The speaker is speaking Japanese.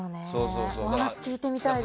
お話、聞いてみたいです。